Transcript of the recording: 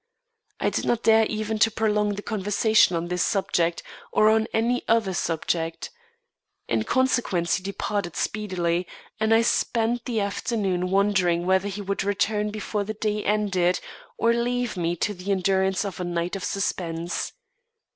I did not dare even to prolong the conversation on this subject, or on any other subject. In consequence, he departed speedily, and I spent the afternoon wondering whether he would return before the day ended, or leave me to the endurance of a night of suspense.